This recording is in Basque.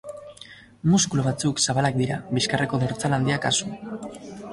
Muskulu batzuk zabalak dira bizkarreko dortsal handia kasu.